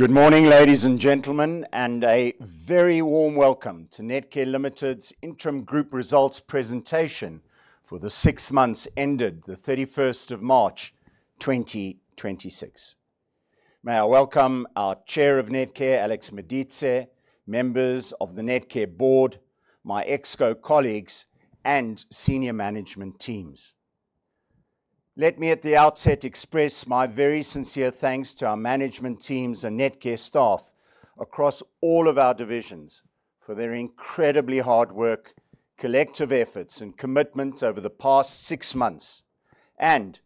Good morning, ladies and gentlemen, and a very warm welcome to Netcare Limited's interim group results presentation for the six months ended the 31st of March 2026. May I welcome our Chair of Netcare, Alex Maditsi. Members of the Netcare board, my exco-colleagues, and senior management teams. Let me at the outset express my very sincere thanks to our management teams and Netcare staff across all of our divisions for their incredibly hard work, collective efforts, and commitment over the past six months, and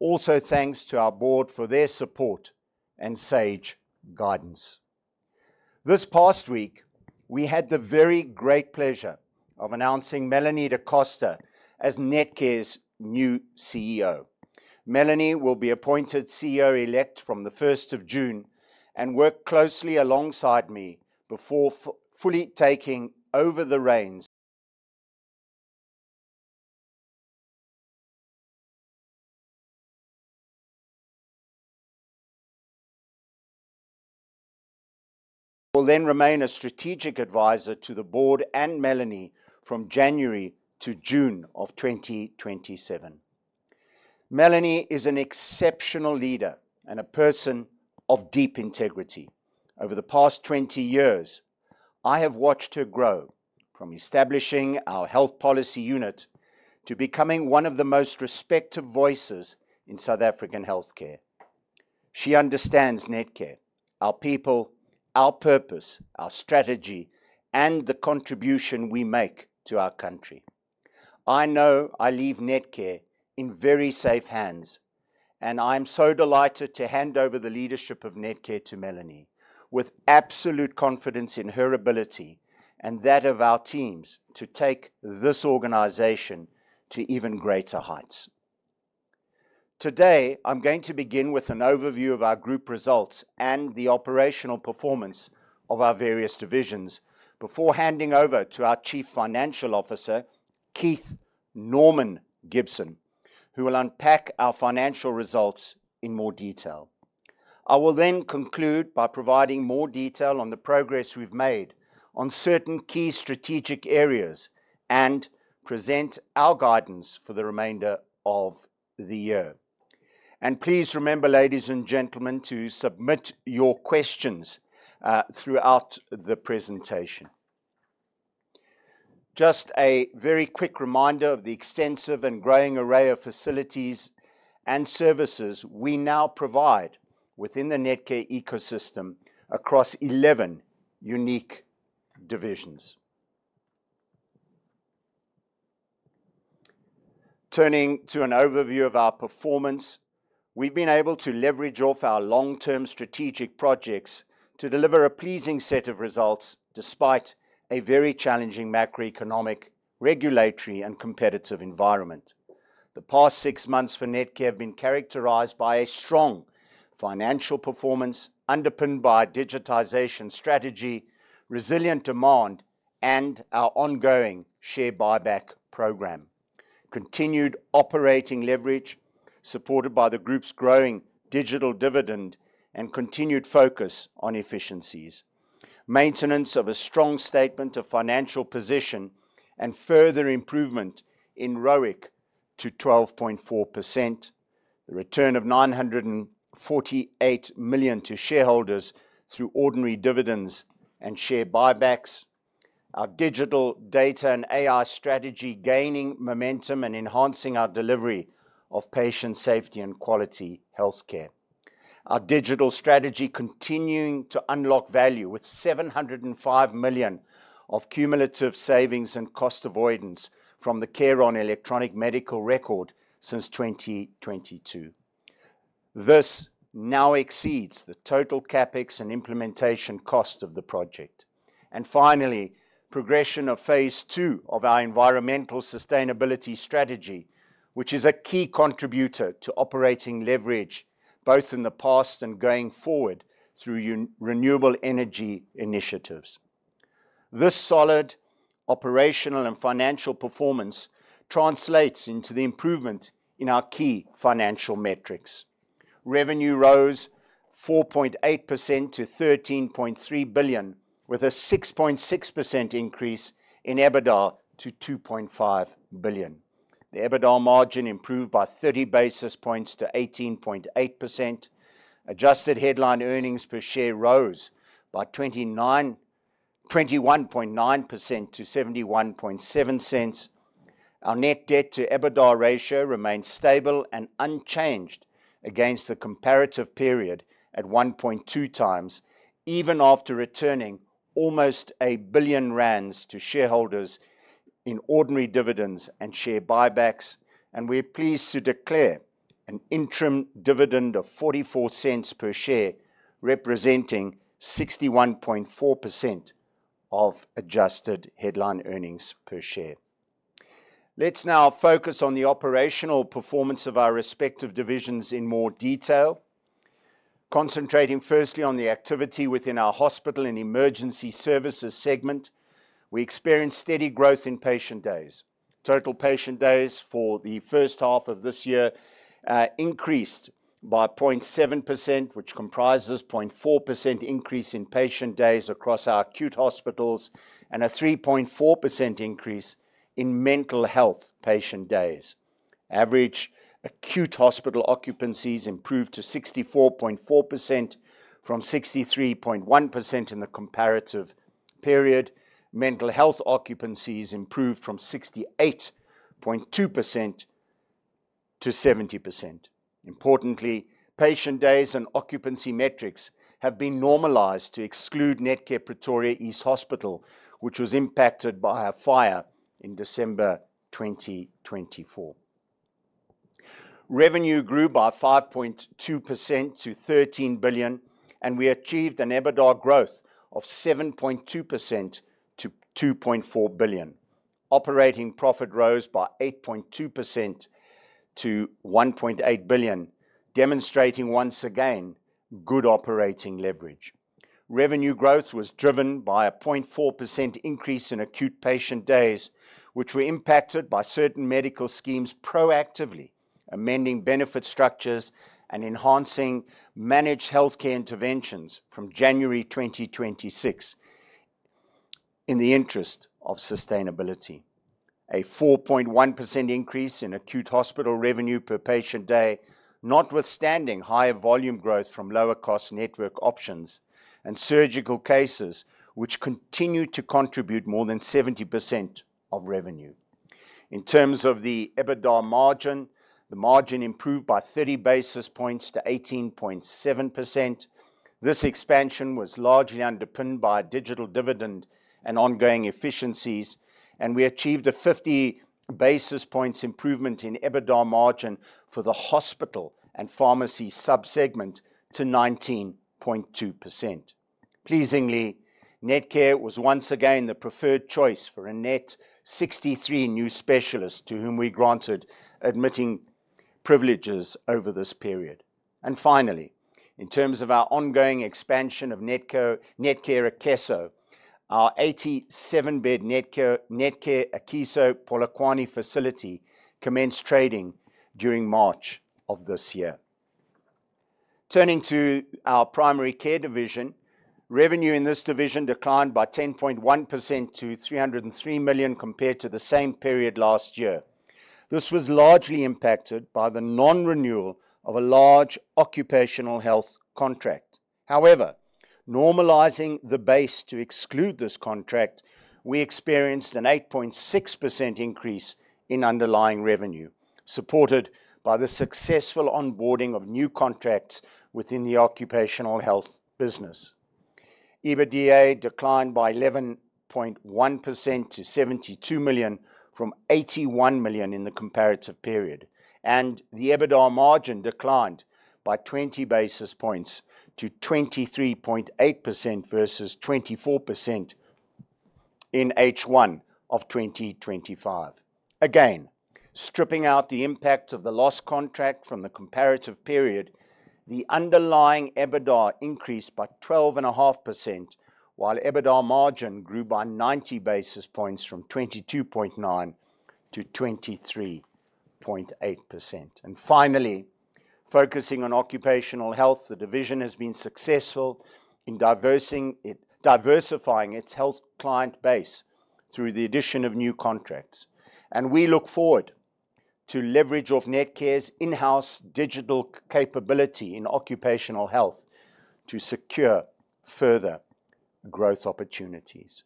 also thanks to our board for their support and sage guidance. This past week, we had the very great pleasure of announcing Melanie Da Costa as Netcare's new CEO. Melanie will be appointed CEO-elect from the 1st of June and work closely alongside me before fully taking over the reins. Will remain a strategic advisor to the board and Melanie from January to June of 2027. Melanie is an exceptional leader and a person of deep integrity. Over the past 20 years, I have watched her grow from establishing our health policy unit to becoming one of the most respected voices in South African healthcare. She understands Netcare, our people, our purpose, our strategy, and the contribution we make to our country. I know I leave Netcare in very safe hands, and I'm so delighted to hand over the leadership of Netcare to Melanie with absolute confidence in her ability and that of our teams to take this organization to even greater heights. Today, I'm going to begin with an overview of our group results and the operational performance of our various divisions before handing over to our Chief Financial Officer, Keith Gibson, who will unpack our financial results in more detail. I will then conclude by providing more detail on the progress we've made on certain key strategic areas and present our guidance for the remainder of the year. Please remember, ladies and gentlemen, to submit your questions throughout the presentation. Just a very quick reminder of the extensive and growing array of facilities and services we now provide within the Netcare ecosystem across 11 unique divisions. Turning to an overview of our performance, we've been able to leverage off our long-term strategic projects to deliver a pleasing set of results, despite a very challenging macroeconomic, regulatory, and competitive environment. The past six months for Netcare have been characterized by a strong financial performance underpinned by digitization strategy, resilient demand, and our ongoing share buyback program. Continued operating leverage, supported by the group's growing digital dividend and continued focus on efficiencies. Maintenance of a strong statement of financial position and further improvement in ROIC to 12.4%. The return of 948 million to shareholders through ordinary dividends and share buybacks. Our digital data and AI strategy gaining momentum and enhancing our delivery of patient safety and quality healthcare. Our digital strategy continuing to unlock value with 705 million of cumulative savings and cost avoidance from the CareOn electronic medical record since 2022. This now exceeds the total CapEx and implementation cost of the project. Finally, progression of phase II of our environmental sustainability strategy, which is a key contributor to operating leverage both in the past and going forward through renewable energy initiatives. This solid operational and financial performance translates into the improvement in our key financial metrics. Revenue rose 4.8% to 13.3 billion, with a 6.6% increase in EBITDA to 2.5 billion. The EBITDA margin improved by 30 basis points to 18.8%. Adjusted headline earnings per share rose by 21.9% to 0.717. Our net debt to EBITDA ratio remains stable and unchanged against the comparative period at 1.2x, even after returning almost 1 billion rand to shareholders in ordinary dividends and share buybacks. We're pleased to declare an interim dividend of 0.44 per share, representing 61.4% of adjusted headline earnings per share. Let's now focus on the operational performance of our respective divisions in more detail. Concentrating firstly on the activity within our hospital and emergency services segment, we experienced steady growth in patient days. Total patient days for the first half of this year increased by 0.7%, which comprises 0.4% increase in patient days across our acute hospitals and a 3.4% increase in mental health patient days. Average acute hospital occupancies improved to 64.4% from 63.1% in the comparative period. Mental health occupancies improved from 68.2% to 70%. Importantly, patient days and occupancy metrics have been normalized to exclude Netcare Pretoria East Hospital, which was impacted by a fire in December 2024. Revenue grew by 5.2% to 13 billion, and we achieved an EBITDA growth of 7.2% to 2.4 billion. Operating profit rose by 8.2% to 1.8 billion, demonstrating once again good operating leverage. Revenue growth was driven by a 0.4% increase in acute patient days, which were impacted by certain medical schemes proactively amending benefit structures and enhancing managed healthcare interventions from January 2026 in the interest of sustainability. A 4.1% increase in acute hospital revenue per patient day, notwithstanding higher volume growth from lower-cost network options and surgical cases, which continue to contribute more than 70% of revenue. In terms of the EBITDA margin, the margin improved by 30 basis points to 18.7%. This expansion was largely underpinned by a digital dividend and ongoing efficiencies, and we achieved a 50 basis points improvement in EBITDA margin for the hospital and pharmacy sub-segment to 19.2%. Pleasingly, Netcare was once again the preferred choice for a net 63 new specialists to whom we granted admitting privileges over this period. Finally, in terms of our ongoing expansion of Netcare Akeso, our 87-bed Netcare Akeso Polokwane facility commenced trading during March of this year. Turning to our primary care division, revenue in this division declined by 10.1% to 303 million compared to the same period last year. This was largely impacted by the non-renewal of a large occupational health contract. However, normalizing the base to exclude this contract, we experienced an 8.6% increase in underlying revenue, supported by the successful onboarding of new contracts within the occupational health business. EBITDA declined by 11.1% to 72 million from 81 million in the comparative period, and the EBITDA margin declined by 20 basis points to 23.8% versus 24% in H1 2025. Again, stripping out the impact of the lost contract from the comparative period, the underlying EBITDA increased by 12.5%, while EBITDA margin grew by 90 basis points from 22.9% to 23.8%. Finally, focusing on occupational health, the division has been successful in diversifying its health client base through the addition of new contracts. We look forward to leverage of Netcare's in-house digital capability in occupational health to secure further growth opportunities.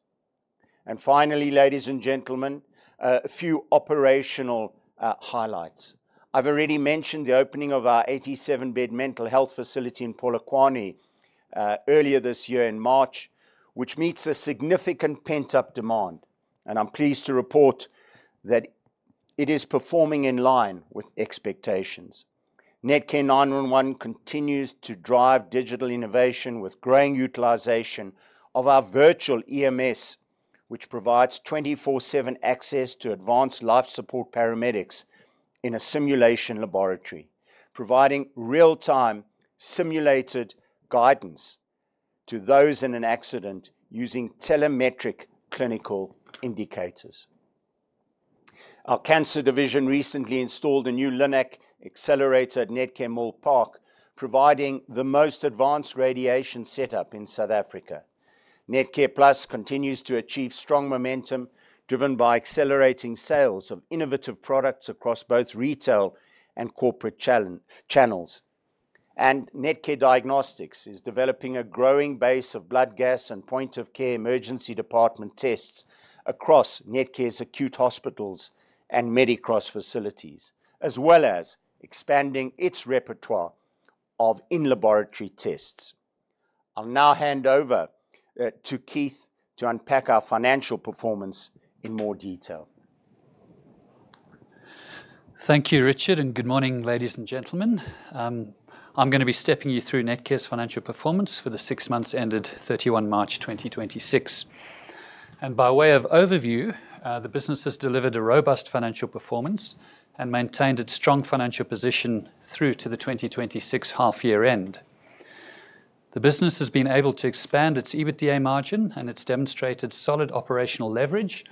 Finally, ladies and gentlemen, a few operational highlights. I've already mentioned the opening of our 87-bed mental health facility in Polokwane earlier this year in March, which meets a significant pent-up demand. I'm pleased to report that it is performing in line with expectations. Netcare 911 continues to drive digital innovation with growing utilization of our virtual EMS, which provides 24/7 access to advanced life support paramedics in a simulation laboratory, providing real-time simulated guidance to those in an accident using telemetric clinical indicators. Our cancer division recently installed a new LINAC accelerator at Netcare Milpark, providing the most advanced radiation setup in South Africa. NetcarePlus continues to achieve strong momentum driven by accelerating sales of innovative products across both retail and corporate channels. Netcare Diagnostics is developing a growing base of blood gas and point-of-care emergency department tests across Netcare's acute hospitals and Medicross facilities, as well as expanding its repertoire of in-laboratory tests. I'll now hand over to Keith to unpack our financial performance in more detail. Thank you, Richard, and good morning, ladies and gentlemen. I'm going to be stepping you through Netcare's financial performance for the six months ended 31 March 2026. By way of overview, the business has delivered a robust financial performance and maintained its strong financial position through to the 2026 half-year end. The business has been able to expand its EBITDA margin, and it's demonstrated solid operational leverage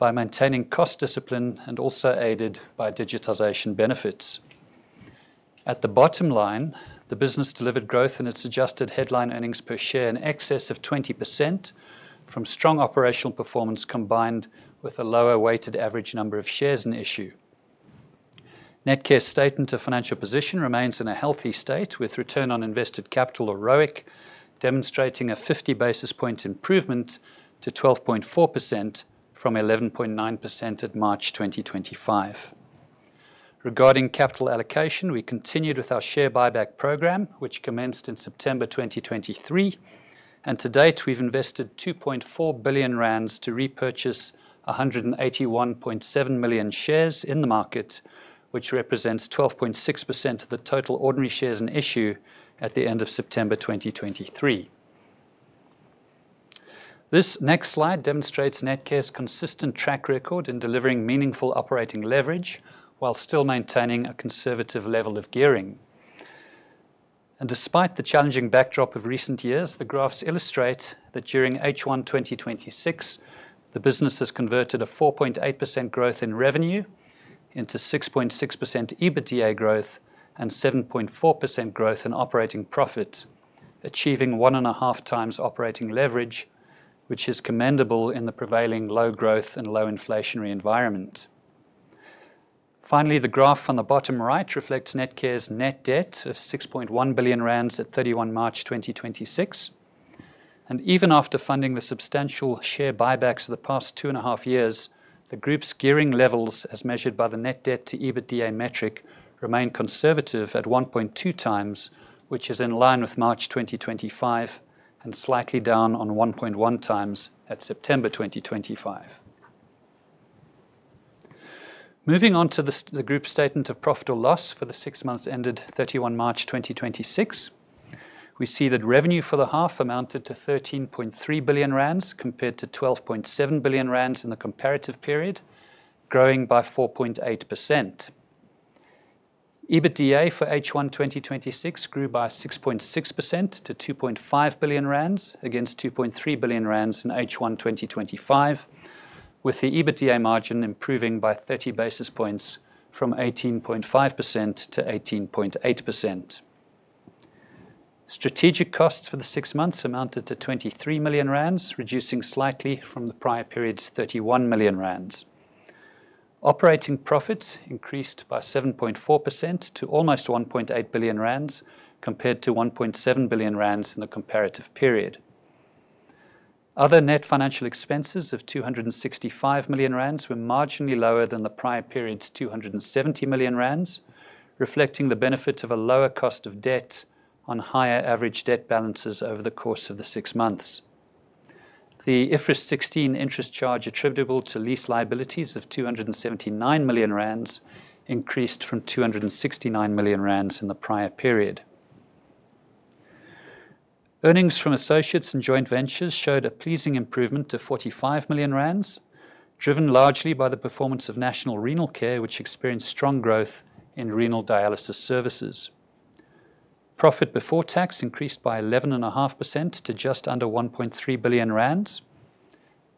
by maintaining cost discipline and also aided by digitization benefits. At the bottom line, the business delivered growth in its adjusted headline earnings per share in excess of 20% from strong operational performance, combined with a lower weighted average number of shares in issue. Netcare's statement of financial position remains in a healthy state, with return on invested capital, or ROIC, demonstrating a 50 basis point improvement to 12.4% from 11.9% at March 2025. Regarding capital allocation, we continued with our share buyback program, which commenced in September 2023, and to date, we've invested 2.4 billion rand to repurchase 181.7 million shares in the market, which represents 12.6% of the total ordinary shares in issue at the end of September 2023. This next slide demonstrates Netcare's consistent track record in delivering meaningful operating leverage while still maintaining a conservative level of gearing. Despite the challenging backdrop of recent years, the graphs illustrate that during H1 2026, the business has converted a 4.8% growth in revenue into 6.6% EBITDA growth and 7.4% growth in operating profit, achieving 1.5x operating leverage, which is commendable in the prevailing low growth and low inflationary environment. Finally, the graph on the bottom right reflects Netcare's net debt of 6.1 billion rand at 31 March 2026. Even after funding the substantial share buybacks for the past two and a half years, the group's gearing levels, as measured by the net debt to EBITDA metric, remain conservative at 1.2x, which is in line with March 2025 and slightly down on 1.1x at September 2025. Moving on to the group statement of profit or loss for the six months ended 31 March 2026, we see that revenue for the half amounted to 13.3 billion rand compared to 12.7 billion rand in the comparative period, growing by 4.8%. EBITDA for H1 2026 grew by 6.6% to 2.5 billion rand against 2.3 billion rand in H1 2025, with the EBITDA margin improving by 30 basis points from 18.5%-18.8%. Strategic costs for the six months amounted to 23 million rand, reducing slightly from the prior period's 31 million rand. Operating profits increased by 7.4% to almost 1.8 billion rand, compared to 1.7 billion rand in the comparative period. Other net financial expenses of 265 million rand were marginally lower than the prior period's 270 million rand, reflecting the benefit of a lower cost of debt on higher average debt balances over the course of the six months. The IFRS 16 interest charge attributable to lease liabilities of 279 million rand increased from 269 million rand in the prior period. Earnings from associates and joint ventures showed a pleasing improvement to 45 million rand, driven largely by the performance of National Renal Care, which experienced strong growth in renal dialysis services. Profit before tax increased by 11.5% to just under 1.3 billion rand.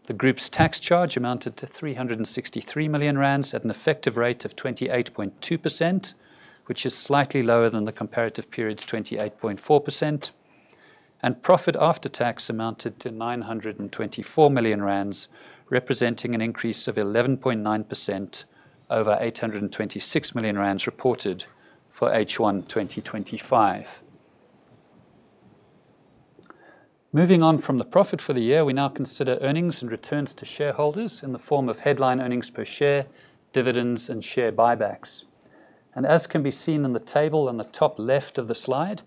The group's tax charge amounted to 363 million rand at an effective rate of 28.2%, which is slightly lower than the comparative period's 28.4%. Profit after tax amounted to 924 million rand, representing an increase of 11.9% over 826 million rand reported for H1 2025. Moving on from the profit for the year, we now consider earnings and returns to shareholders in the form of headline earnings per share, dividends, and share buybacks. As can be seen in the table on the top left of the slide,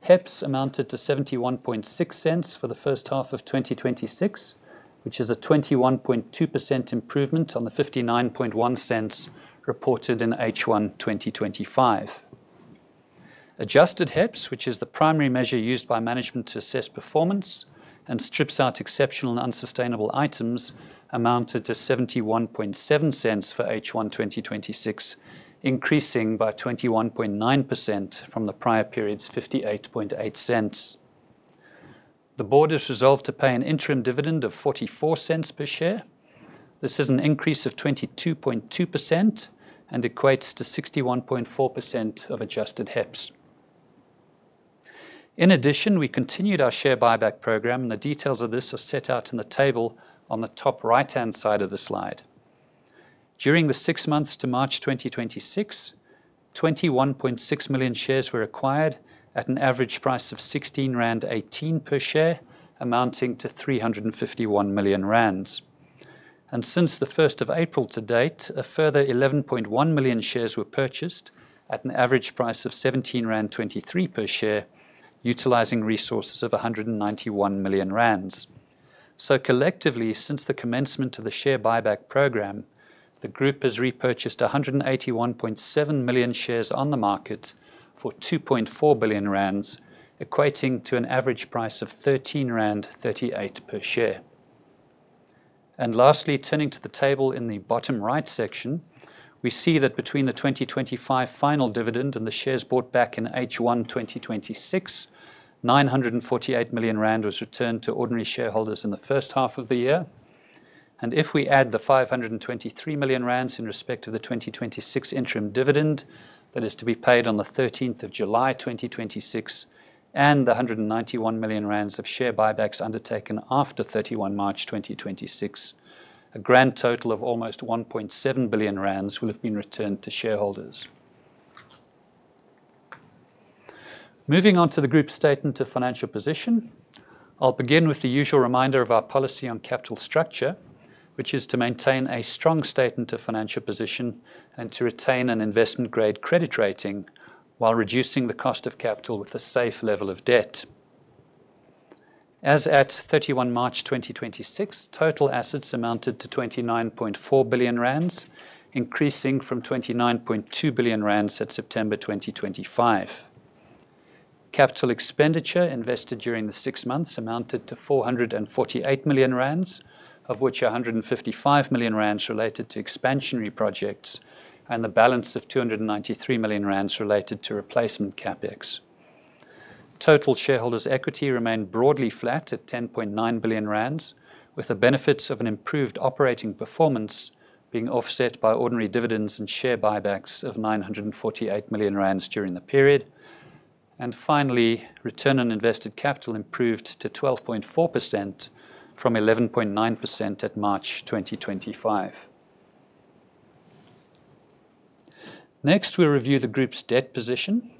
HEPS amounted to 0.716 for the first half of 2026, which is a 21.2% improvement on the 0.591 reported in H1 2025. Adjusted HEPS, which is the primary measure used by management to assess performance and strips out exceptional unsustainable items, amounted to 0.717 for H1 2026, increasing by 21.9% from the prior period's 0.588. The board has resolved to pay an interim dividend of 0.44 per share. This is an increase of 22.2% and equates to 61.4% of adjusted HEPS. In addition, we continued our share buyback program, and the details of this are set out in the table on the top right-hand side of the slide. During the six months to March 2026, 21.6 million shares were acquired at an average price of 16.18 rand per share, amounting to 351 million rand. Since the 1st of April to date, a further 11.1 million shares were purchased at an average price of 17.23 rand per share, utilizing resources of 191 million rand. Collectively, since the commencement of the share buyback program, the group has repurchased 181.7 million shares on the market for 2.4 billion rand, equating to an average price of 13.38 rand per share. Lastly, turning to the table in the bottom right section, we see that between the 2025 final dividend and the shares bought back in H1 2026, 948 million rand was returned to ordinary shareholders in the first half of the year. If we add the 523 million rand in respect to the 2026 interim dividend that is to be paid on the 13th of July 2026, and the 191 million rand of share buybacks undertaken after 31 March 2026, a grand total of almost 1.7 billion rand will have been returned to shareholders. Moving on to the group statement of financial position, I'll begin with the usual reminder of our policy on capital structure, which is to maintain a strong statement of financial position and to retain an investment-grade credit rating while reducing the cost of capital with a safe level of debt. As at 31 March 2026, total assets amounted to 29.4 billion rand, increasing from 29.2 billion rand at September 2025. Capital expenditure invested during the six months amounted to 448 million rand, of which 155 million rand related to expansionary projects and the balance of 293 million rand related to replacement CapEx. Total shareholders' equity remained broadly flat at 10.9 billion rand, with the benefits of an improved operating performance being offset by ordinary dividends and share buybacks of 948 million rand during the period. Finally, return on invested capital improved to 12.4% from 11.9% at March 2025. Next, we'll review the group's debt position.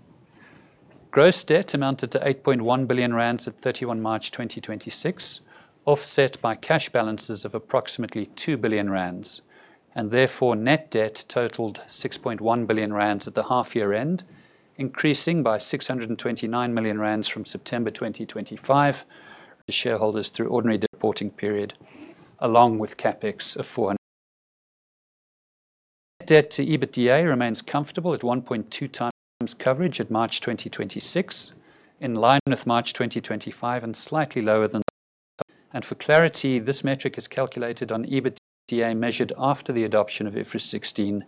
Gross debt amounted to 8.1 billion rand at 31 March 2026, offset by cash balances of approximately 2 billion rand therefore net debt totaled 6.1 billion rand at the half year end, increasing by 629 million rand from September 2025, to shareholders through ordinary reporting period, along with CapEx of 4. Debt to EBITDA remains comfortable at 1.2x coverage at March 2026, in line with March 2025 and slightly lower than last year. For clarity, this metric is calculated on EBITDA measured after the adoption of IFRS 16,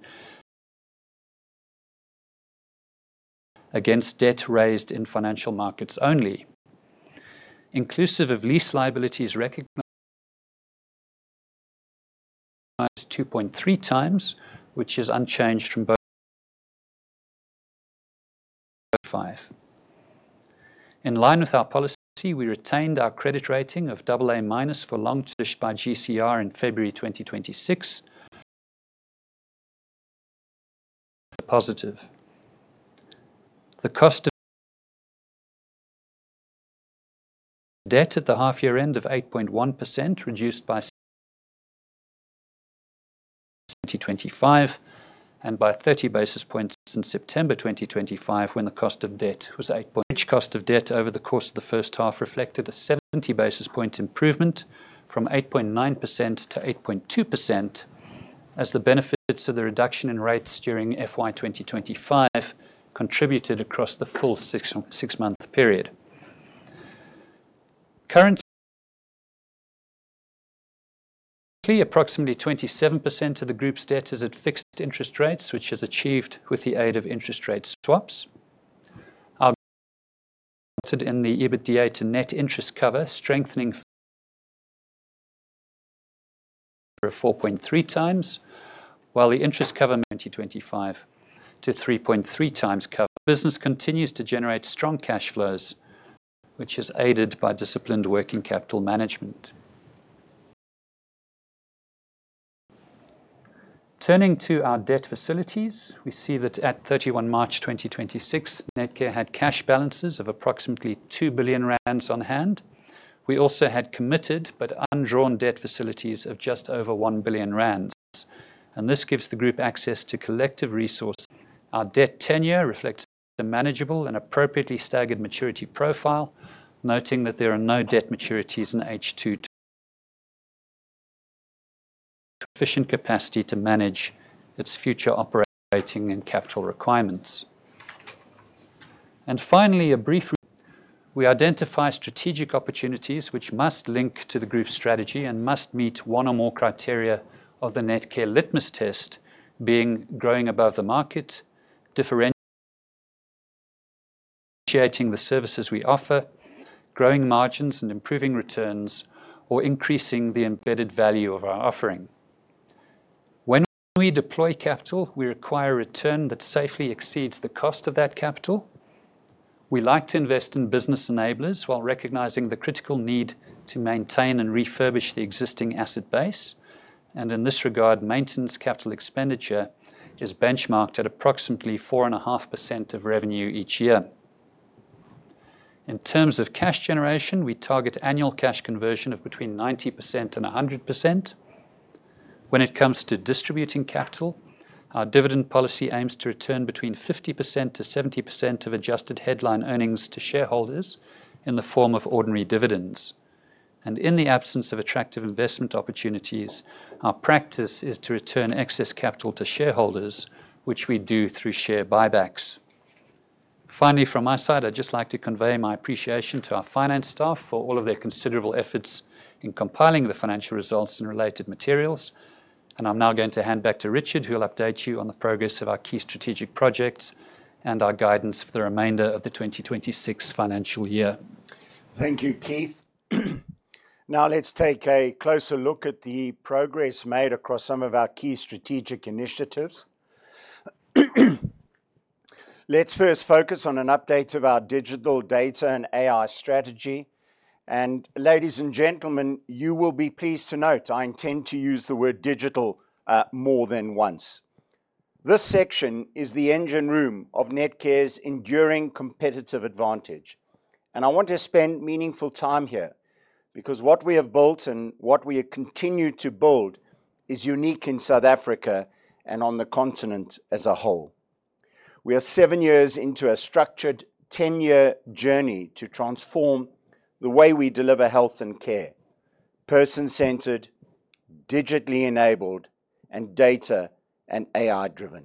against debt raised in financial markets only. Inclusive of lease liabilities recognized, 2.3x, which is unchanged from both March 2025. In line with our policy, we retained our credit rating of double A minus for long term by GCR in February 2026, positive. The cost of debt at the half year end of 8.1% reduced by 70 basis points from September 2025 and by 30 basis points since September 2025 when the cost of debt was 8.4%. Average cost of debt over the course of the first half reflected a 70 basis point improvement from 8.9%-8.2% as the benefits of the reduction in rates during FY 2025 contributed across the full six-month period. Currently, approximately 27% of the group's debt is at fixed interest rates, which is achieved with the aid of interest rate swaps. This is reflected in the EBITDA to net interest cover strengthening further to 4.3x, while the interest cover in 2025 to 3.3x cover. The business continues to generate strong cash flows, which is aided by disciplined working capital management. Turning to our debt facilities, we see that at 31 March 2026, Netcare had cash balances of approximately 2 billion rand on hand. We also had committed but undrawn debt facilities of just over 1 billion rand. This gives the group access to collective resources. Our debt tenure reflects a manageable and appropriately staggered maturity profile, noting that there are no debt maturities in H2. Sufficient capacity to manage its future operating and capital requirements. Finally, a brief reminder. We identify strategic opportunities which must link to the group's strategy and must meet one or more criteria of the Netcare litmus test being growing above the market, differentiating the services we offer, growing margins and improving returns, or increasing the embedded value of our offering. Whenever we deploy capital, we require a return that safely exceeds the cost of that capital. We like to invest in business enablers while recognizing the critical need to maintain and refurbish the existing asset base. In this regard, maintenance capital expenditure is benchmarked at approximately 4.5% of revenue each year. In terms of cash generation, we target annual cash conversion of between 90% and 100%. When it comes to distributing capital, our dividend policy aims to return between 50%-70% of adjusted headline earnings to shareholders in the form of ordinary dividends. In the absence of attractive investment opportunities, our practice is to return excess capital to shareholders, which we do through share buybacks. Finally, from my side, I'd just like to convey my appreciation to our finance staff for all of their considerable efforts in compiling the financial results and related materials. I'm now going to hand back to Richard, who'll update you on the progress of our key strategic projects and our guidance for the remainder of the 2026 financial year. Thank you, Keith. Let's take a closer look at the progress made across some of our key strategic initiatives. Let's first focus on an update of our digital data and AI strategy. Ladies and gentlemen, you will be pleased to note I intend to use the word digital more than once. This section is the engine room of Netcare's enduring competitive advantage, and I want to spend meaningful time here because what we have built and what we have continued to build is unique in South Africa and on the continent as a whole. We are seven years into a structured 10-year journey to transform the way we deliver health and care: person-centered, digitally enabled, and data and AI-driven.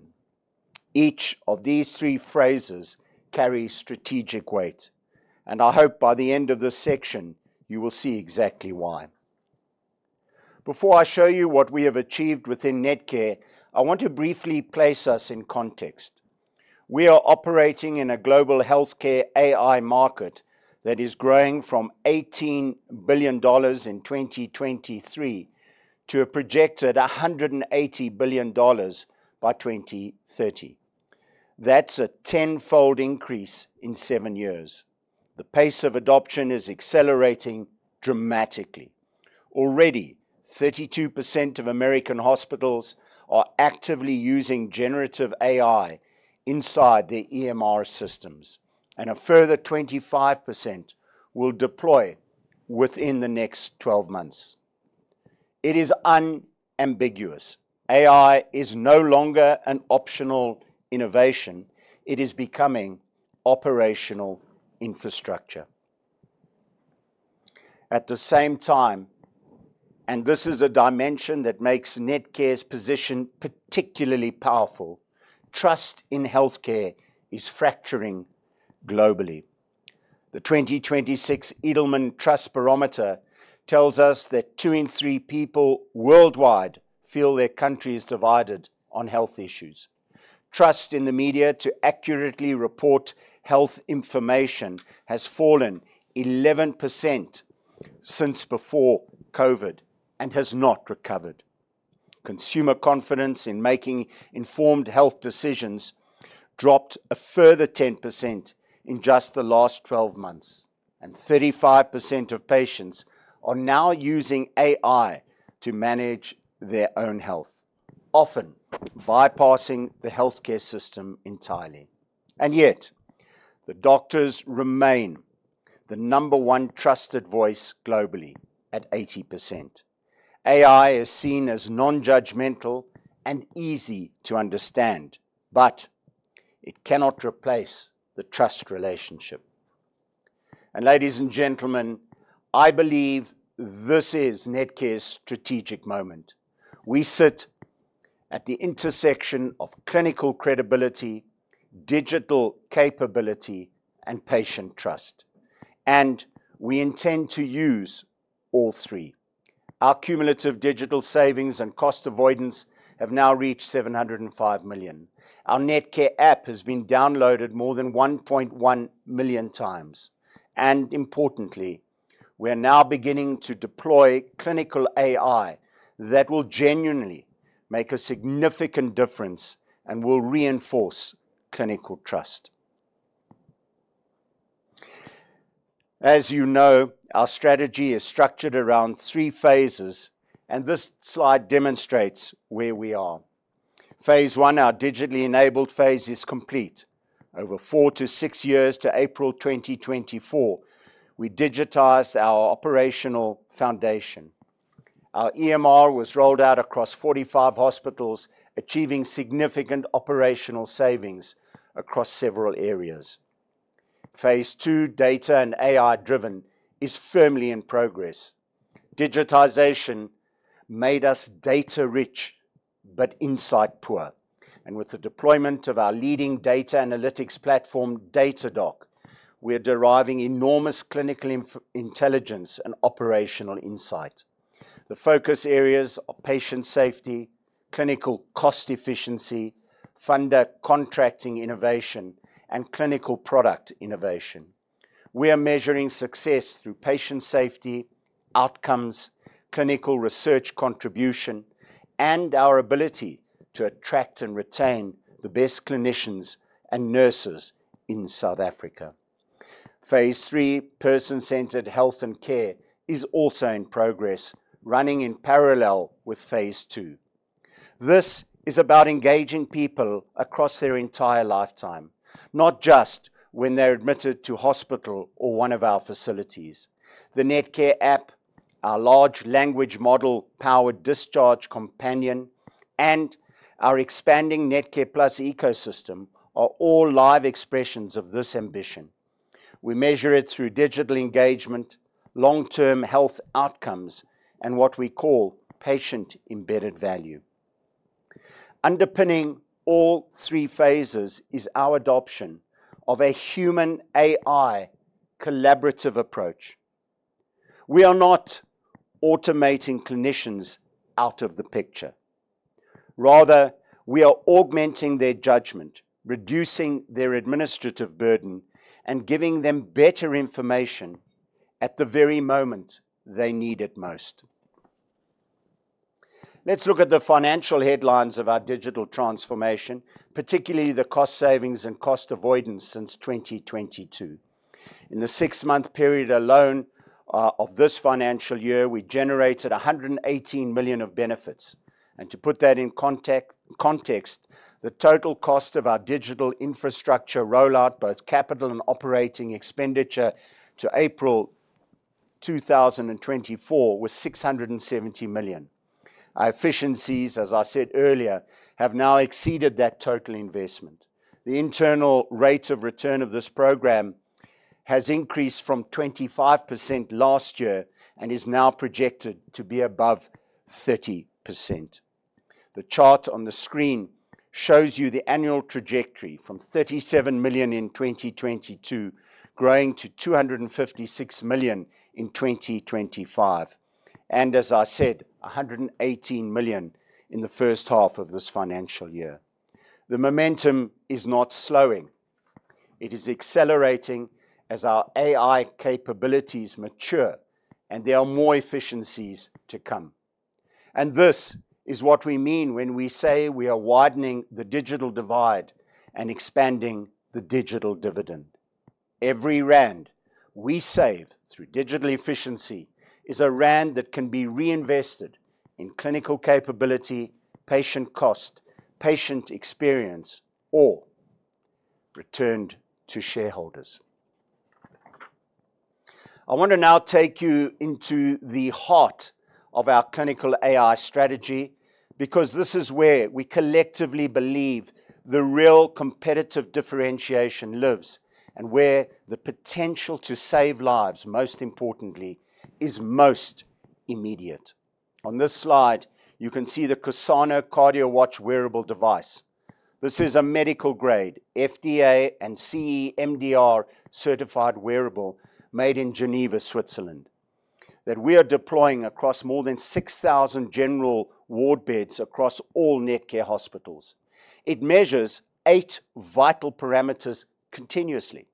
Each of these three phrases carry strategic weight, and I hope by the end of this section, you will see exactly why. Before I show you what we have achieved within Netcare, I want to briefly place us in context. We are operating in a global healthcare AI market that is growing from ZAR 18 billion in 2023 to a projected ZAR 180 billion by 2030. That's a tenfold increase in 7 years. The pace of adoption is accelerating dramatically. Already, 32% of American hospitals are actively using generative AI inside their EMR systems, and a further 25% will deploy within the next 12 months. It is unambiguous. AI is no longer an optional innovation. It is becoming operational infrastructure. At the same time, and this is a dimension that makes Netcare's position particularly powerful, trust in healthcare is fracturing globally. The 2026 Edelman Trust Barometer tells us that two in three people worldwide feel their country is divided on health issues. Trust in the media to accurately report health information has fallen 11% since before COVID and has not recovered. Consumer confidence in making informed health decisions dropped a further 10% in just the last 12 months, 35% of patients are now using AI to manage their own health, often bypassing the healthcare system entirely. Yet the doctors remain the number one trusted voice globally at 80%. AI is seen as non-judgmental and easy to understand, but it cannot replace the trust relationship. Ladies and gentlemen, I believe this is Netcare's strategic moment. We sit at the intersection of clinical credibility, digital capability, and patient trust, and we intend to use all three. Our cumulative digital savings and cost avoidance have now reached 705 million. Our Netcare app has been downloaded more than 1.1 million times, and importantly, we are now beginning to deploy clinical AI that will genuinely make a significant difference and will reinforce clinical trust. As you know, our strategy is structured around three phases, and this slide demonstrates where we are. Phase I, our digitally enabled phase, is complete. Over four to six years to April 2024, we digitized our operational foundation. Our EMR was rolled out across 45 hospitals, achieving significant operational savings across several areas. Phase II, data and AI-driven, is firmly in progress. Digitization made us data rich but insight poor, and with the deployment of our leading data analytics platform, DataDock, we are deriving enormous clinical intelligence and operational insight. The focus areas are patient safety, clinical cost efficiency, funder contracting innovation, and clinical product innovation. We are measuring success through patient safety, outcomes, clinical research contribution, and our ability to attract and retain the best clinicians and nurses in South Africa. phase III, person-centered health and care, is also in progress, running in parallel with phase II. This is about engaging people across their entire lifetime, not just when they're admitted to hospital or one of our facilities. The Netcare app, our large language model-powered discharge companion, and our expanding NetcarePlus ecosystem are all live expressions of this ambition. We measure it through digital engagement, long-term health outcomes, and what we call patient-embedded value. Underpinning all three phases is our adoption of a human AI collaborative approach. We are not automating clinicians out of the picture. Rather, we are augmenting their judgment, reducing their administrative burden, and giving them better information at the very moment they need it most. Let's look at the financial headlines of our digital transformation, particularly the cost savings and cost avoidance since 2022. In the six-month period alone of this financial year, we generated 118 million of benefits. To put that in context, the total cost of our digital infrastructure rollout, both CapEx and operating expenditure to April 2024 was 670 million. Our efficiencies, as I said earlier, have now exceeded that total investment. The internal rate of return of this program has increased from 25% last year and is now projected to be above 30%. The chart on the screen shows you the annual trajectory from 37 million in 2022 growing to 256 million in 2025, and as I said, 118 million in the first half of this financial year. The momentum is not slowing. It is accelerating as our AI capabilities mature, and there are more efficiencies to come. This is what we mean when we say we are widening the digital divide and expanding the digital dividend. Every rand we save through digital efficiency is a rand that can be reinvested in clinical capability, patient cost, patient experience, or returned to shareholders. I want to now take you into the heart of our clinical AI strategy, because this is where we collectively believe the real competitive differentiation lives and where the potential to save lives, most importantly, is most immediate. On this slide, you can see the Corsano CardioWatch wearable device. This is a medical grade FDA and CE MDR certified wearable made in Geneva, Switzerland, that we are deploying across more than 6,000 general ward beds across all Netcare hospitals. It measures eight vital parameters continuously: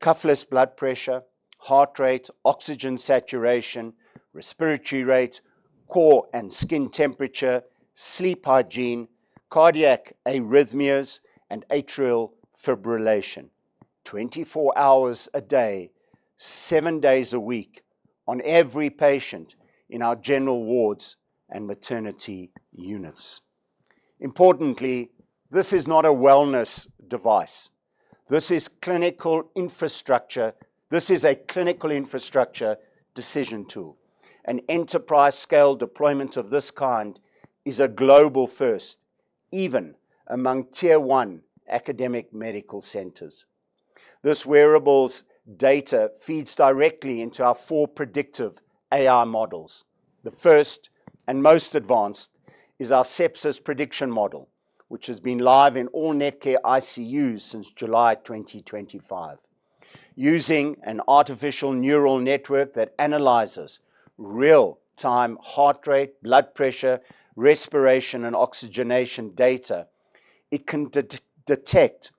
cuffless blood pressure, heart rate, oxygen saturation, respiratory rate, core and skin temperature, sleep hygiene, cardiac arrhythmias, and atrial fibrillation 24 hours a day, seven days a week on every patient in our general wards and maternity units. Importantly, this is not a wellness device. This is a clinical infrastructure decision tool. An enterprise-scale deployment of this kind is a global first, even among Tier 1 academic medical centers. This wearable's data feeds directly into our four predictive AI models. The first and most advanced is our sepsis prediction model, which has been live in all Netcare ICUs since July 2025. Using an artificial neural network that analyzes real time heart rate, blood pressure, respiration, and oxygenation data, it can detect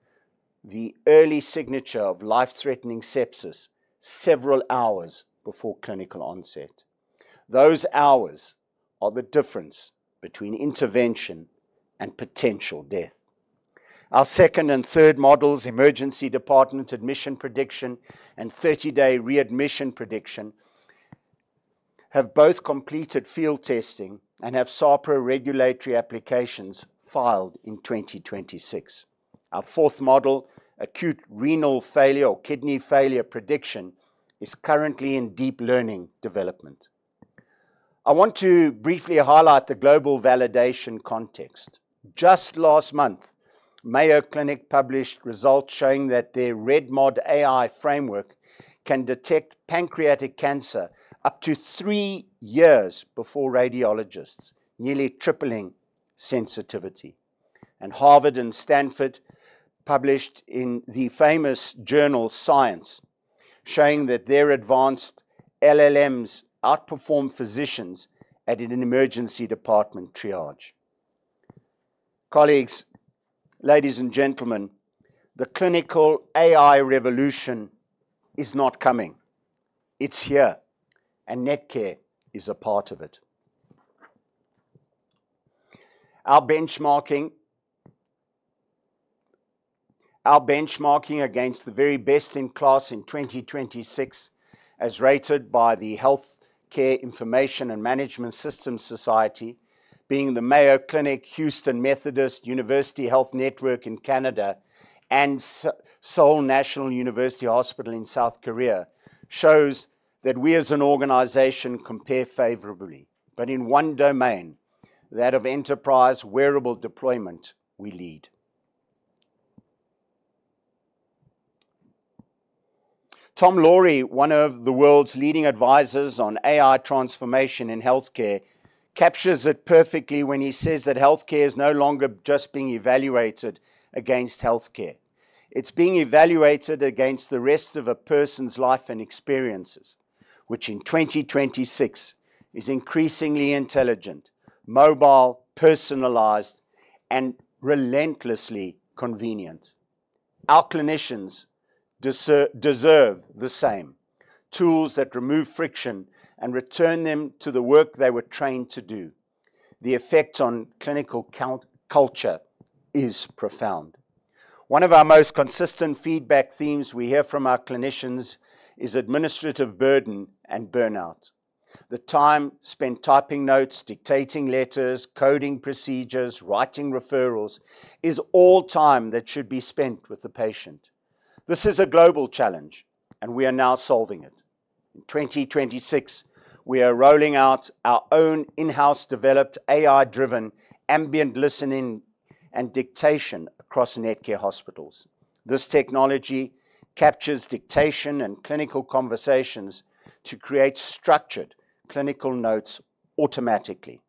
the early signature of life-threatening sepsis several hours before clinical onset. Those hours are the difference between intervention and potential death. Our second and third models, emergency department admission prediction and 30-day readmission prediction, have both completed field testing and have SAHPRA regulatory applications filed in 2026. Our fourth model, acute renal failure or kidney failure prediction, is currently in deep learning development. I want to briefly highlight the global validation context. Just last month, Mayo Clinic published results showing that their REDMOD AI framework can detect pancreatic cancer up to three years before radiologists, nearly tripling sensitivity. Harvard and Stanford published in the famous journal, "Science," showing that their advanced LLMs outperformed physicians at an emergency department triage. Colleagues, ladies and gentlemen, the clinical AI revolution is not coming. It's here, and Netcare is a part of it. Our benchmarking against the very best in class in 2026, as rated by the Healthcare Information and Management Systems Society, being the Mayo Clinic, Houston Methodist, University Health Network in Canada, and Seoul National University Hospital in South Korea, shows that we as an organization compare favorably. In one domain, that of enterprise wearable deployment, we lead. Tom Lawry, one of the world's leading advisors on AI transformation in healthcare, captures it perfectly when he says that healthcare is no longer just being evaluated against healthcare. It's being evaluated against the rest of a person's life and experiences, which in 2026 is increasingly intelligent, mobile, personalized, and relentlessly convenient. Our clinicians deserve the same. Tools that remove friction and return them to the work they were trained to do. The effect on clinical culture is profound. One of our most consistent feedback themes we hear from our clinicians is administrative burden and burnout. The time spent typing notes, dictating letters, coding procedures, writing referrals, is all time that should be spent with the patient. This is a global challenge. We are now solving it. In 2026, we are rolling out our own in-house developed, AI-driven, ambient listening and dictation across Netcare hospitals. This technology captures dictation and clinical conversations to create structured clinical notes automatically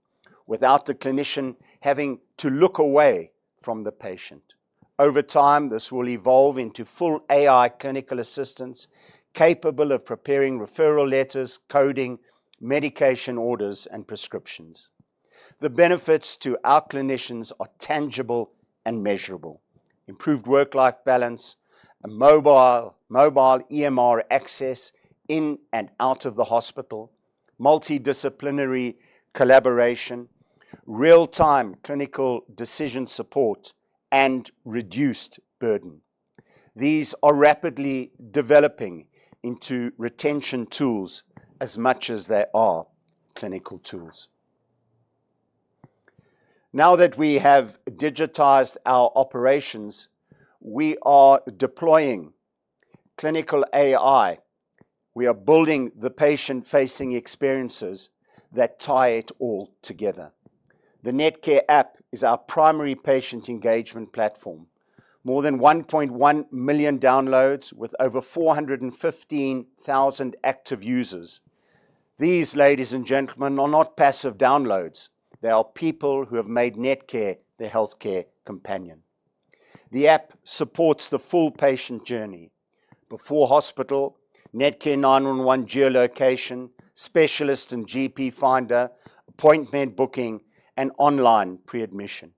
without the clinician having to look away from the patient. Over time, this will evolve into full AI clinical assistance, capable of preparing referral letters, coding, medication orders, and prescriptions. The benefits to our clinicians are tangible and measurable. Improved work-life balance, mobile EMR access in and out of the hospital, multidisciplinary collaboration, real-time clinical decision support, and reduced burden. These are rapidly developing into retention tools as much as they are clinical tools. Now that we have digitized our operations, we are deploying clinical AI. We are building the patient-facing experiences that tie it all together. The Netcare app is our primary patient engagement platform. More than 1.1 million downloads with over 415,000 active users. These, ladies and gentlemen, are not passive downloads. They are people who have made Netcare their healthcare companion. The app supports the full patient journey. Before hospital, Netcare 911 geolocation, specialist and GP finder, appointment booking, and online pre-admission.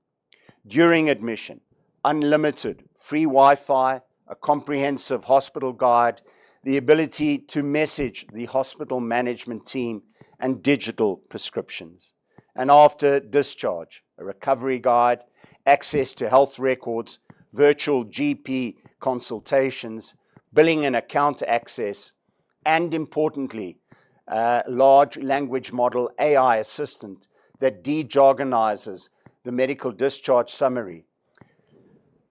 During admission, unlimited free Wi-Fi, a comprehensive hospital guide, the ability to message the hospital management team, and digital prescriptions. After discharge, a recovery guide, access to health records, virtual GP consultations, billing and account access, importantly, a large language model AI assistant that de-jargonizes the medical discharge summary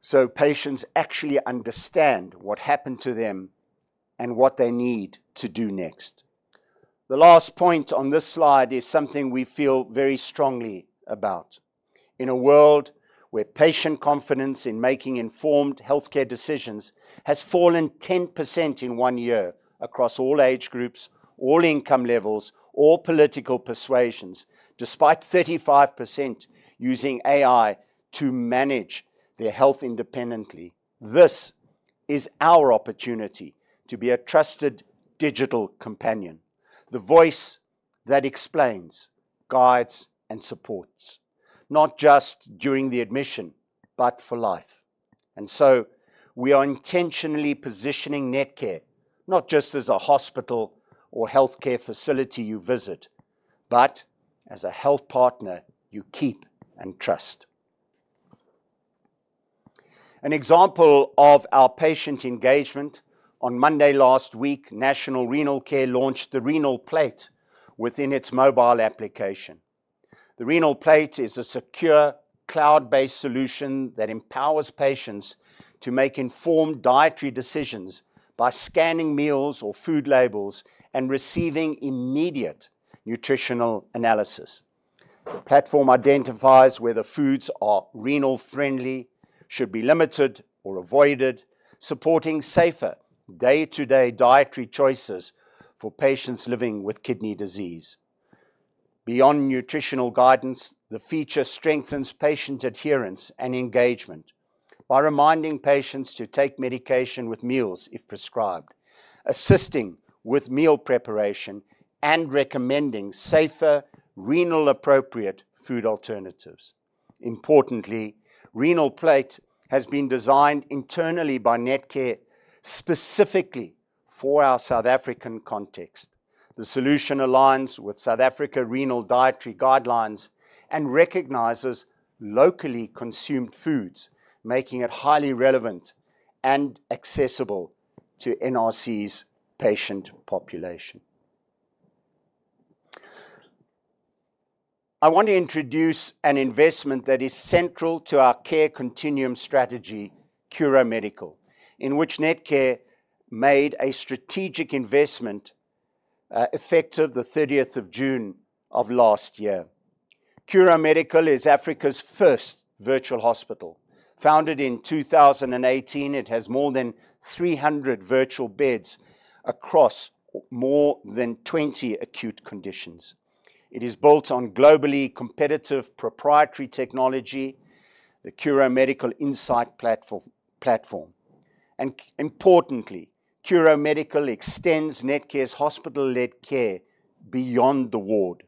so patients actually understand what happened to them and what they need to do next. The last point on this slide is something we feel very strongly about. In a world where patient confidence in making informed healthcare decisions has fallen 10% in one year across all age groups, all income levels, all political persuasions, despite 35% using AI to manage their health independently, this is our opportunity to be a trusted digital companion. The voice that explains, guides, and supports, not just during the admission, but for life. We are intentionally positioning Netcare, not just as a hospital or healthcare facility you visit, but as a health partner you keep and trust. An example of our patient engagement, on Monday last week, National Renal Care launched the Renal Plate within its mobile application. The Renal Plate is a secure, cloud-based solution that empowers patients to make informed dietary decisions by scanning meals or food labels and receiving immediate nutritional analysis. The platform identifies whether foods are renal-friendly, should be limited or avoided, supporting safer day-to-day dietary choices for patients living with kidney disease. Beyond nutritional guidance, the feature strengthens patient adherence and engagement by reminding patients to take medication with meals if prescribed, assisting with meal preparation, and recommending safer renal-appropriate food alternatives. Importantly, Renal Plate has been designed internally by Netcare specifically for our South African context. The solution aligns with South Africa renal dietary guidelines and recognizes locally consumed foods, making it highly relevant and accessible to NRC's patient population. I want to introduce an investment that is central to our care continuum strategy, Quro Medical, in which Netcare made a strategic investment effective the 30th of June of last year. Quro Medical is Africa's first virtual hospital. Founded in 2018, it has more than 300 virtual beds across more than 20 acute conditions. It is built on globally competitive proprietary technology, the Quro Medical InSight platform. Importantly, Quro Medical extends Netcare's hospital-led care beyond the ward.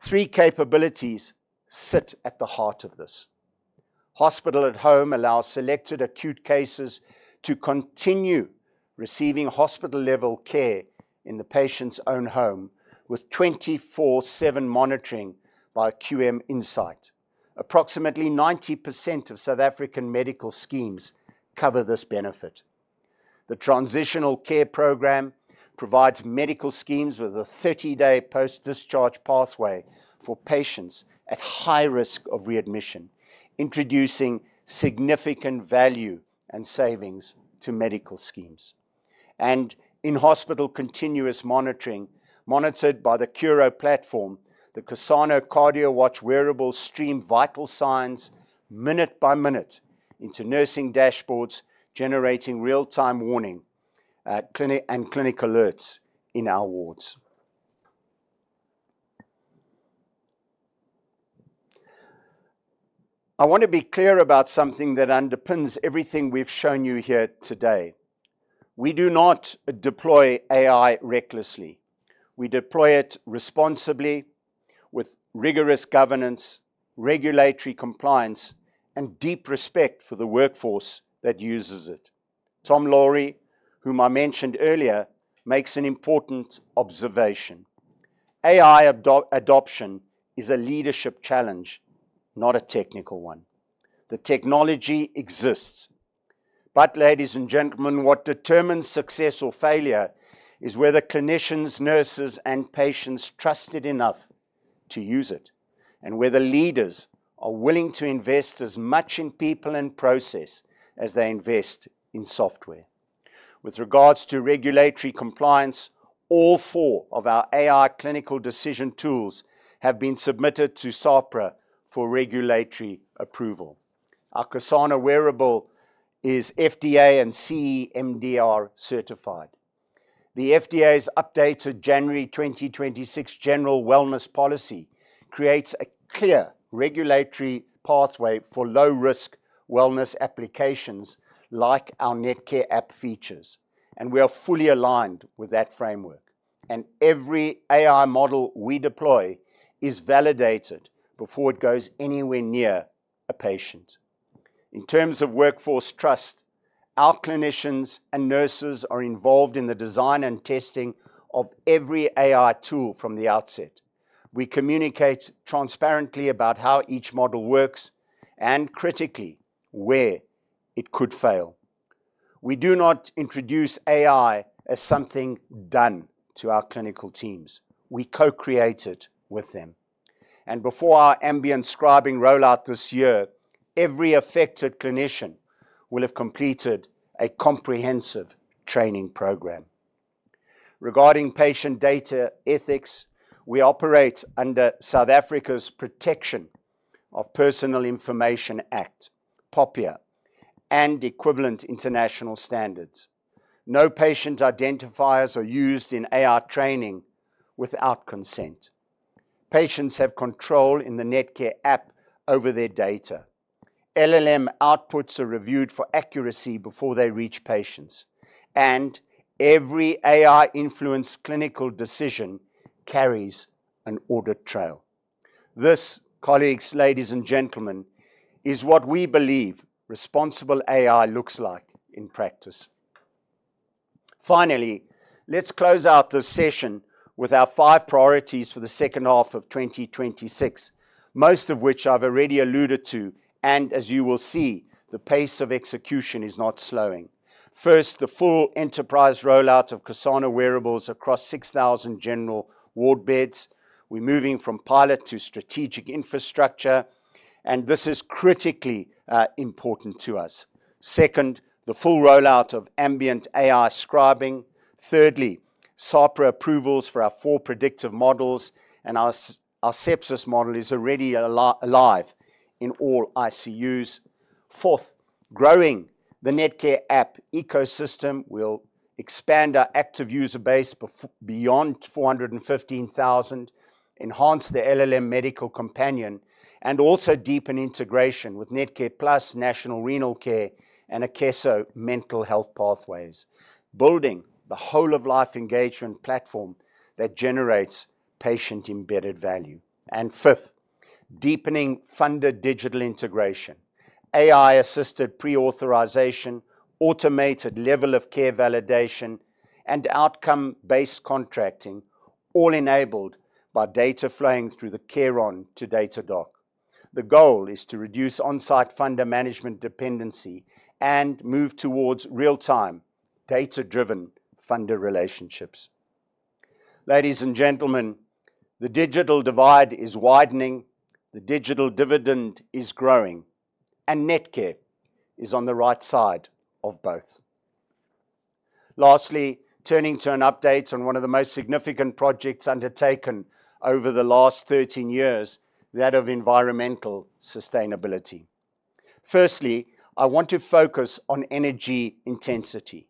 Three capabilities sit at the heart of this. Hospital-at-home allows selected acute cases to continue receiving hospital-level care in the patient's own home with 24/7 monitoring by QM InSight. Approximately 90% of South African medical schemes cover this benefit. The transitional care program provides medical schemes with a 30-day post-discharge pathway for patients at high risk of readmission, introducing significant value and savings to medical schemes. In-hospital continuous monitoring, monitored by the Quro platform, the Corsano CardioWatch wearables stream vital signs minute by minute into nursing dashboards, generating real-time warning and clinic alerts in our wards. I want to be clear about something that underpins everything we've shown you here today. We do not deploy AI recklessly. We deploy it responsibly with rigorous governance, regulatory compliance, and deep respect for the workforce that uses it. Tom Lawry, whom I mentioned earlier, makes an important observation. AI adoption is a leadership challenge, not a technical one. The technology exists. Ladies and gentlemen, what determines success or failure is whether clinicians, nurses, and patients trust it enough to use it, and whether leaders are willing to invest as much in people and process as they invest in software. With regards to regulatory compliance, all four of our AI clinical decision tools have been submitted to SAHPRA for regulatory approval. Our Corsano wearable is FDA and CE MDR certified. The FDA's updated January 2026 general wellness policy creates a clear regulatory pathway for low-risk wellness applications like our Netcare app features, and we are fully aligned with that framework. Every AI model we deploy is validated before it goes anywhere near a patient. In terms of workforce trust, our clinicians and nurses are involved in the design and testing of every AI tool from the outset. We communicate transparently about how each model works and critically where it could fail. We do not introduce AI as something done to our clinical teams. We co-create it with them. Before our ambient scribing rollout this year, every affected clinician will have completed a comprehensive training program. Regarding patient data ethics, we operate under South Africa's Protection of Personal Information Act, POPIA, and equivalent international standards. No patient identifiers are used in AI training without consent. Patients have control in the Netcare app over their data. LLM outputs are reviewed for accuracy before they reach patients. Every AI-influenced clinical decision carries an audit trail. This, colleagues, ladies, and gentlemen, is what we believe responsible AI looks like in practice. Finally, let's close out this session with our five priorities for the second half of 2026, most of which I've already alluded to. As you will see, the pace of execution is not slowing. First, the full enterprise rollout of Corsano wearables across 6,000 general ward beds. We're moving from pilot to strategic infrastructure. This is critically important to us. Second, the full rollout of ambient AI scribing. Thirdly, SAHPRA approvals for our four predictive models, and our sepsis model is already live in all ICUs. Fourth, growing the Netcare app ecosystem will expand our active user base beyond 415,000, enhance the LLM medical companion, and also deepen integration with NetcarePlus, National Renal Care, and Netcare Akeso mental health pathways, building the whole of life engagement platform that generates patient-embedded value. Fifth, deepening funder digital integration, AI-assisted pre-authorization, automated level of care validation, and outcome-based contracting, all enabled by data flowing through the CareOn to DataDock. The goal is to reduce on-site funder management dependency and move towards real-time, data-driven funder relationships. Ladies and gentlemen, the digital divide is widening, the digital dividend is growing, and Netcare is on the right side of both. Lastly, turning to an update on one of the most significant projects undertaken over the last 13 years, that of environmental sustainability. Firstly, I want to focus on energy intensity.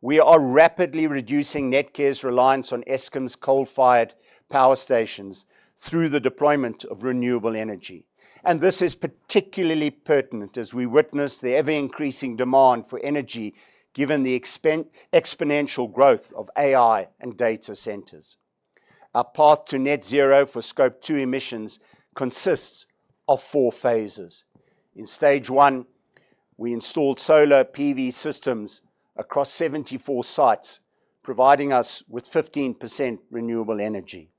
We are rapidly reducing Netcare's reliance on Eskom's coal-fired power stations through the deployment of renewable energy. This is particularly pertinent as we witness the ever-increasing demand for energy, given the exponential growth of AI and data centers. Our path to net zero for Scope 2 emissions consists of four phases. In stage one, we installed solar PV systems across 74 sites, providing us with 15% renewable energy.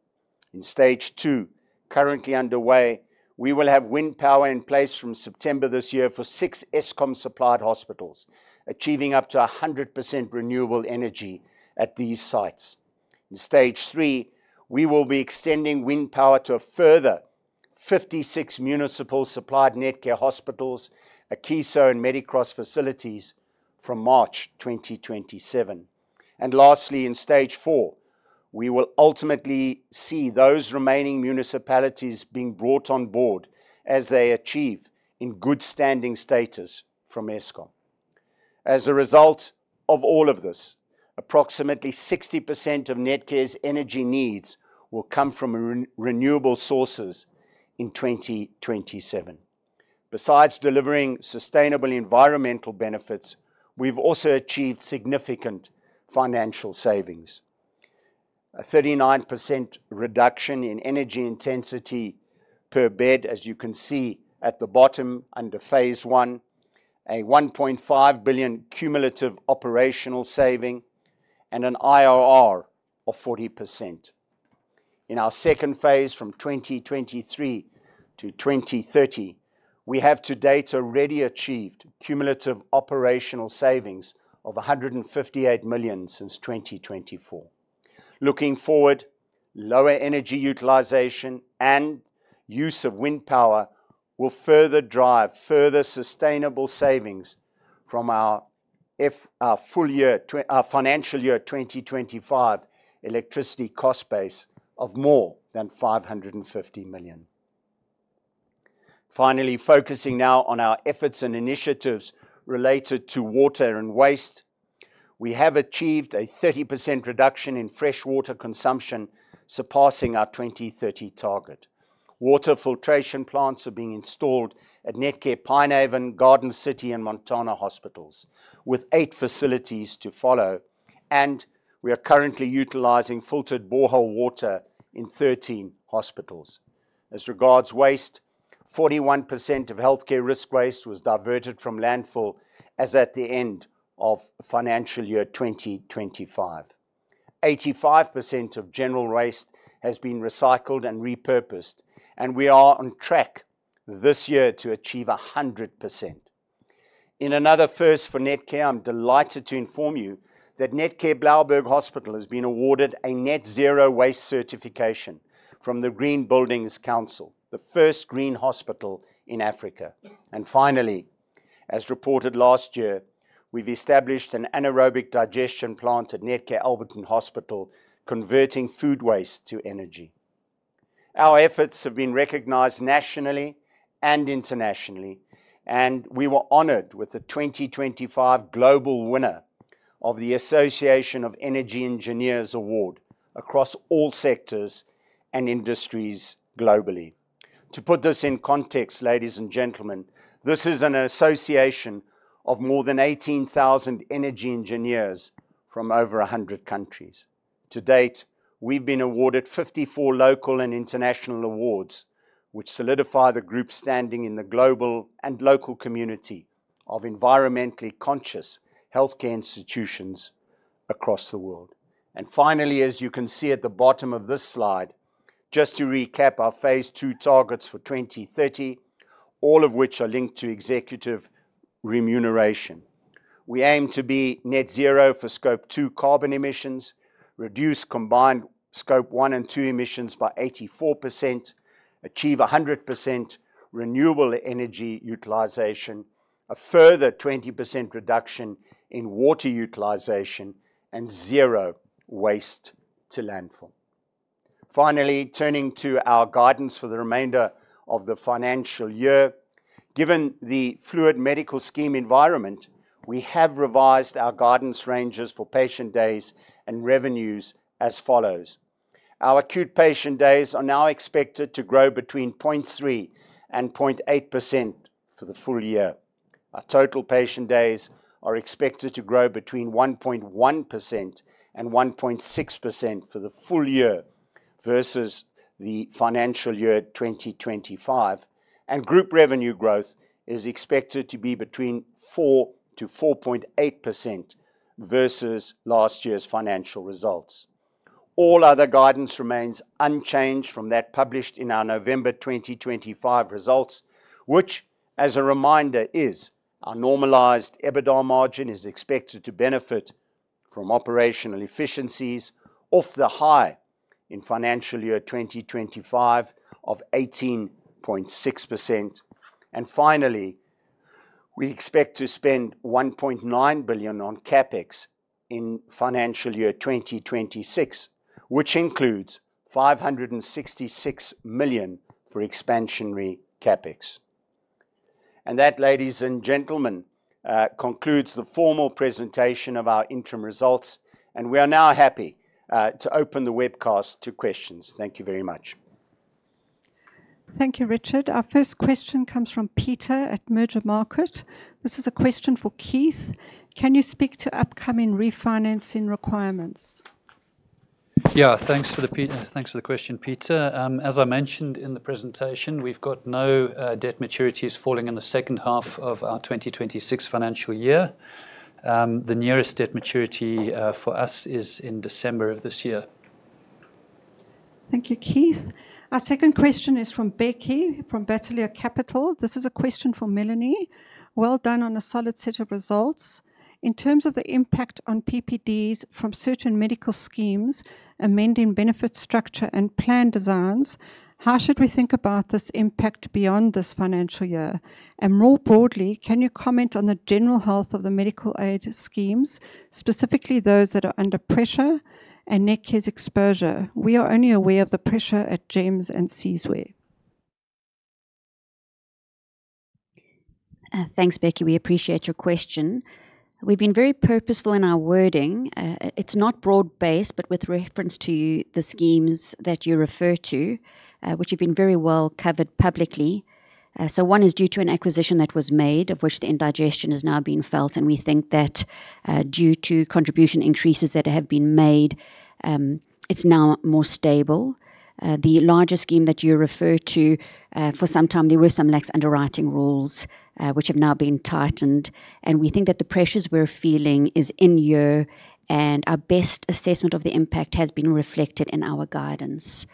In stage two, currently underway, we will have wind power in place from September this year for six Eskom-supplied hospitals, achieving up to 100% renewable energy at these sites. In stage three, we will be extending wind power to a further 56 municipal supplied Netcare hospitals, Akeso and Medicross facilities from March 2027. Lastly, in stage four, we will ultimately see those remaining municipalities being brought on board as they achieve in good standing status from Eskom. As a result of all of this, approximately 60% of Netcare's energy needs will come from renewable sources in 2027. Besides delivering sustainable environmental benefits, we've also achieved significant financial savings. A 39% reduction in energy intensity per bed, as you can see at the bottom under phase I, a 1.5 billion cumulative operational saving and an IRR of 40%. In our second phase from 2023 to 2030, we have to date already achieved cumulative operational savings of 158 million since 2024. Looking forward, lower energy utilization and use of wind power will further drive further sustainable savings from our financial year 2025 electricity cost base of more than 550 million. Finally, focusing now on our efforts and initiatives related to water and waste. We have achieved a 30% reduction in freshwater consumption, surpassing our 2030 target. Water filtration plants are being installed at Netcare Pinehaven, Netcare Garden City Hospital and Netcare Montana Hospital, with eight facilities to follow, and we are currently utilizing filtered borehole water in 13 hospitals. As regards waste, 41% of healthcare risk waste was diverted from landfill as at the end of financial year 2025. 85% of general waste has been recycled and repurposed, and we are on track this year to achieve 100%. In another first for Netcare, I'm delighted to inform you that Netcare Blaauwberg Hospital has been awarded a Net Zero Waste Certification from the Green Building Council South Africa, the first green hospital in Africa. Finally, as reported last year, we've established an anaerobic digestion plant at Netcare Alberton Hospital, converting food waste to energy. Our efforts have been recognized nationally and internationally. We were honored with the 2025 global winner of the Association of Energy Engineers Award across all sectors and industries globally. To put this in context, ladies and gentlemen, this is an association of more than 18,000 energy engineers from over 100 countries. To date, we've been awarded 54 local and international awards, which solidify the group's standing in the global and local community of environmentally conscious healthcare institutions across the world. Finally, as you can see at the bottom of this slide, just to recap our phase II targets for 2030, all of which are linked to executive remuneration. We aim to be net zero for Scope 2 carbon emissions, reduce combined Scope 1 and 2 emissions by 84%, achieve 100% renewable energy utilization, a further 20% reduction in water utilization, and zero waste to landfill. Finally, turning to our guidance for the remainder of the financial year. Given the fluid medical scheme environment, we have revised our guidance ranges for patient days and revenues as follows. Our acute patient days are now expected to grow between 0.3% and 0.8% for the full year. Our total patient days are expected to grow between 1.1% and 1.6% for the full year versus the financial year 2025. Group revenue growth is expected to be between 4% to 4.8% versus last year's financial results. All other guidance remains unchanged from that published in our November 2025 results, which as a reminder is our normalized EBITDA margin is expected to benefit from operational efficiencies of the H1 financial year 2025 of 18.6%. Finally, we expect to spend 1.9 billion on CapEx in financial year 2026, which includes 566 million for expansionary CapEx. That, ladies and gentlemen, concludes the formal presentation of our interim results. We are now happy to open the webcast to questions. Thank you very much. Thank you, Richard. Our first question comes from Peter at Mergermarket. This is a question for Keith. Can you speak to upcoming refinancing requirements? Yeah. Thanks for the question, Peter. As I mentioned in the presentation, we've got no debt maturities falling in the second half of our 2026 financial year. The nearest debt maturity for us is in December of this year. Thank you, Keith. Our second question is from Becky, from Bateleur Capital. This is a question for Melanie. Well done on a solid set of results. In terms of the impact on PPDs from certain medical schemes amending benefit structure and plan designs, how should we think about this impact beyond this financial year? More broadly, can you comment on the general health of the medical aid schemes, specifically those that are under pressure and Netcare's exposure? We are only aware of the pressure at GEMS and Sizwe. Thanks, Becky. We appreciate your question. We've been very purposeful in our wording. It's not broad based, but with reference to the schemes that you refer to, which have been very well covered publicly. One is due to an acquisition that was made, of which the indigestion is now being felt. We think that due to contribution increases that have been made, it's now more stable. The larger scheme that you refer to, for some time, there were some lax underwriting rules, which have now been tightened. We think that the pressures we're feeling is in-year, and our best assessment of the impact has been reflected in our guidance.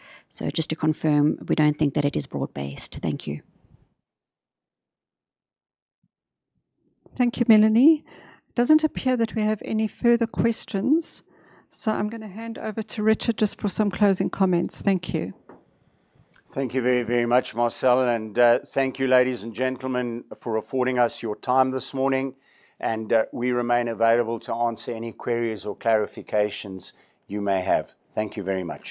Just to confirm, we don't think that it is broad based. Thank you. Thank you, Melanie. Doesn't appear that we have any further questions, so I'm going to hand over to Richard just for some closing comments. Thank you. Thank you very much, Marcelle. Thank you, ladies and gentlemen, for affording us your time this morning. We remain available to answer any queries or clarifications you may have. Thank you very much.